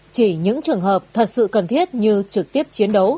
chỉ những trường hợp thật sự cần thiết như trực tiếp chiến đấu